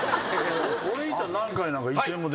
俺いた南海なんか。